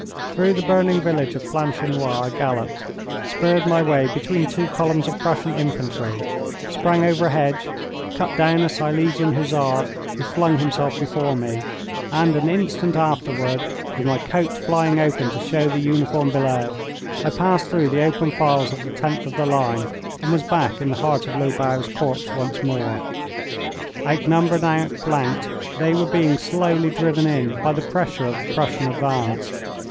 Through the burning village of Planchenoit I galloped, spurred my way between two columns of Prussian infantry, sprang over a hedge, cut down a Silesian Hussar who flung himself before me, and an instant afterward, with my coat flying open to show the uniform below, I passed through the open files of the tenth of the line, and was back in the heart of Lobau's corps once more. Outnumbered and outflanked, they were being slowly driven in by the pressure of the Prussian advance.